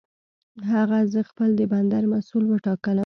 هغه زه خپل د بندر مسؤل وټاکلم.